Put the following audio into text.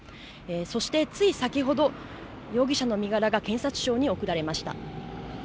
そしてつい先ほど、容疑者の身柄が検察庁に送られました。